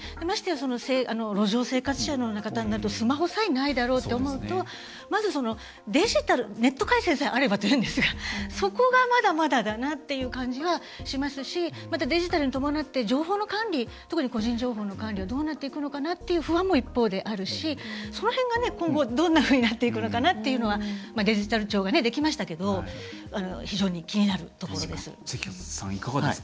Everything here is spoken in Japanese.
ましてや路上生活者のような方になるとスマホさえないだろうって思うとまず、デジタルネット回線さえあればというんですがそこが、まだまだだなっていう感じはしますしまたデジタルに伴って情報の管理特に個人情報の管理はどうなっていくのかなっていう不安も一方であるしその辺がね、今後どんなふうになっていくのかなっていうのはデジタル庁がね、できましたけど非常に気になるところです。